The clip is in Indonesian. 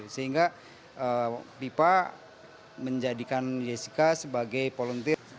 sehingga vipa menjadikan jessica sebagai volunteer